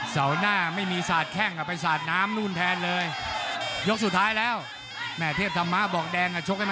ได้มุขหนักด้วยน้ำเงิน